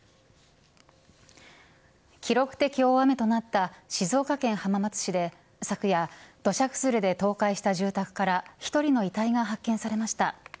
記録的大雨となった静岡県浜松市で昨夜土砂崩れで倒壊した住宅から１人の遺体が発見されました。